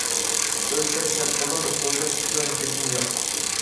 ئىچىپ ئۆلسە سەت بولار، ئويلاپ كۆرۈڭ گېپىم يوق.